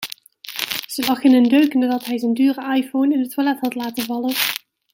Ze lag in een deuk nadat hij zijn dure iPhone in het toilet had laten vallen.